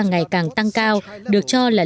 ngày càng tăng cao được cho là